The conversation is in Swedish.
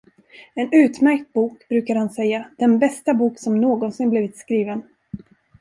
En utmärkt bok, brukade han säga, den bästa bok som någonsin blivit skriven!